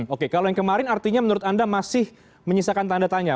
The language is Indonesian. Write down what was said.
oke kalau yang kemarin artinya menurut anda masih menyisakan tanda tanya